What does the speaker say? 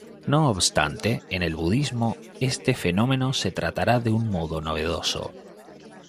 No obstante, en el budismo este fenómeno se tratará de un modo novedoso.